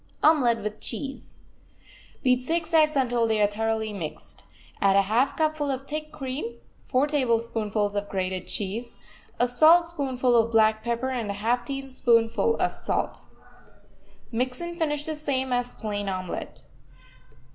OMELET WITH CHEESE Beat six eggs until they are thoroughly mixed. Add a half cupful of thick cream, four tablespoonfuls of grated cheese, a saltspoonful of black pepper and a half teaspoonful of salt. Mix and finish the same as plain omelet.